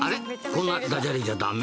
こんなダジャレじゃ駄目？